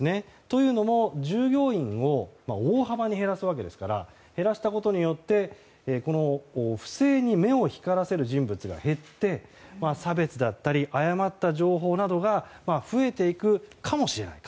というのも従業員を大幅に減らすわけですから減らしたことによって不正に目を光らせる人物が減って差別だったり誤った情報などが増えていくかもしれない。